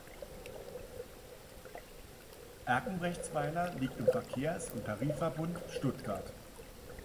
Erkenbrechtsweiler liegt im Verkehrs- und Tarifverbund Stuttgart.